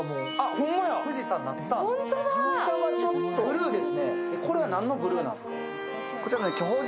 こちらは何のブルーなんですか？